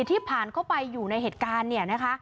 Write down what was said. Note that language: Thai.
ที่ผ่านเข้าไปอยู่ในเหตุการณ์เนี่ยนะคะ